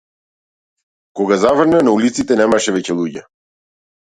Кога заврна на улиците немаше веќе луѓе.